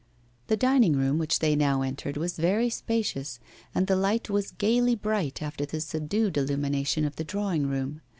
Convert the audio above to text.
The dining room which they now entered was very spacious, and the light was gaily bright after the subdued illumination of the drawing room.